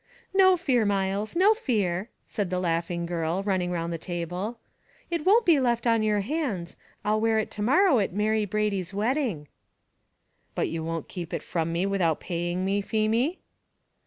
"No fear, Myles; no fear," said the laughing girl, running round the table. "It won't be left on your hands; I'll wear it to morrow at Mary Brady's wedding." "But you won't keep it from me without paying me, Feemy?"